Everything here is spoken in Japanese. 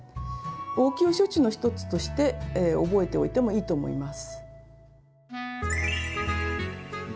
応急処置の１つとして覚えておいてもいいと思います。